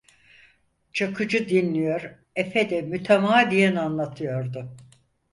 Çakıcı dinliyor, efe de mütemadiyen anlatıyordu.